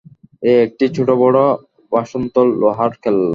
এক একটি ছোট বড় ভাসন্ত লোহার কেল্লা।